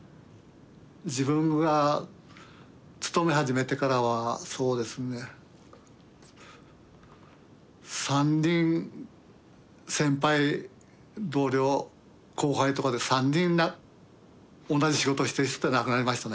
自分が勤め始めてからはそうですね３人先輩同僚後輩とかで３人同じ仕事してる人が亡くなりましたね。